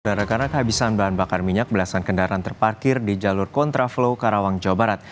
karena kehabisan bahan bakar minyak belasan kendaraan terparkir di jalur kontraflow karawang jawa barat